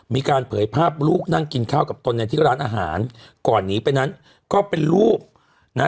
เผยภาพลูกนั่งกินข้าวกับตนในที่ร้านอาหารก่อนหนีไปนั้นก็เป็นรูปนะ